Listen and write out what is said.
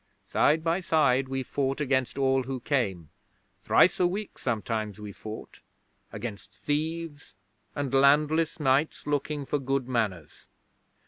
Side by side we fought against all who came thrice a week sometimes we fought against thieves and landless knights looking for good manors.